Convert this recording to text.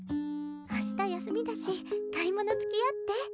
明日休みだし買い物つきあって。